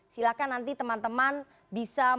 silahkan nanti teman teman bisa